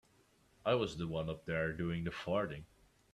I was the one up there doing the farting.